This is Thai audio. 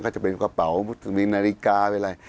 ก็จะเป็นกระเป๋ามีนาฬิกาเป็นอะไร